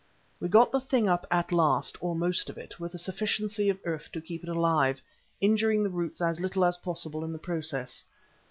We got the thing up at last, or most of it, with a sufficiency of earth to keep it alive, injuring the roots as little as possible in the process.